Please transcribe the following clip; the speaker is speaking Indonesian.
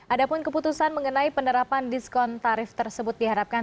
ada pun keputusan mengenai penerapan diskon tarif tersebut diharapkan